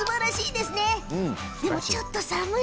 でも、ちょっと寒い。